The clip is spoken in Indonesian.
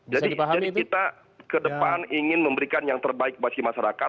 jadi kita ke depan ingin memberikan yang terbaik bagi masyarakat